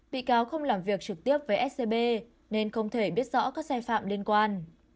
bị cáo không làm việc trực tiếp với scb nên không thể biết rõ các sai phạm liên quan